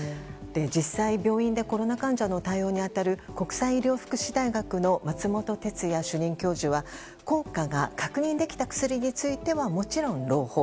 実際、病院でコロナ患者の対応に当たる国際医療福祉大学の松本哲哉主任教授は効果が確認できた薬についてはもちろん朗報。